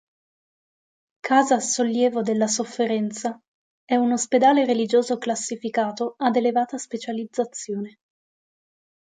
Casa Sollievo della Sofferenza è un “ospedale religioso classificato” ad elevata specializzazione.